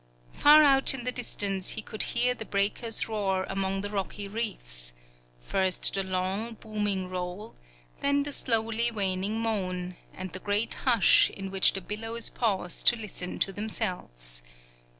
Far out in the distance he could hear the breakers roar among the rocky reefs; first the long, booming roll, then the slowly waning moan, and the great hush, in which the billows pause to listen to themselves.